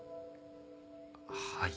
はい。